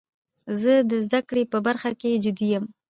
زه د زده کړي په برخه کښي جدي یم.